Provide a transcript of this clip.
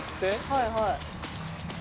はいはい。